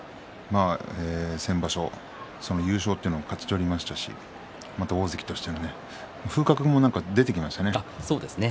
先場所、その優勝というのを勝ち取りましたし大関としての風格も出てきましたね。